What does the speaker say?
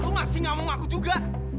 oh masih gak mau ngaku juga